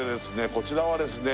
こちらはですね